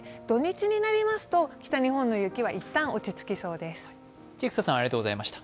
土日になりますと北日本の雪はいったん落ち着きそうです。